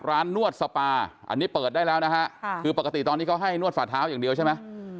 นวดสปาอันนี้เปิดได้แล้วนะฮะคือปกติตอนนี้เขาให้นวดฝ่าเท้าอย่างเดียวใช่ไหม